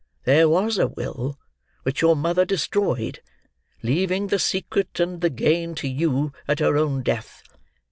There was a will, which your mother destroyed, leaving the secret and the gain to you at her own death.